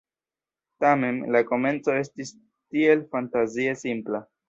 Tamen, la komenco estis tiel fantazie simpla...